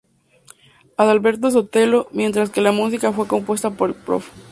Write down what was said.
Adalberto Sotelo, mientras que la música fue compuesta por el Prof.